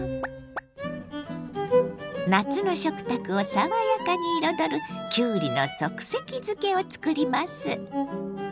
夏の食卓を爽やかに彩るきゅうりの即席漬けを作ります。